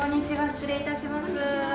失礼いたします。